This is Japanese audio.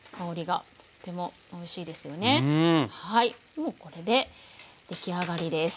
もうこれで出来上がりです。